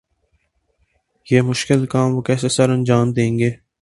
یہ مشکل کام وہ کیسے سرانجام دیں گے؟